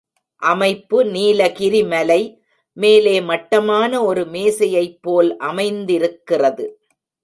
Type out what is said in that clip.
அமைப்பு நீலகிரி மலை, மேலே மட்டமான ஒரு மேசையைப் போல் அமைந்திருக்கிறது.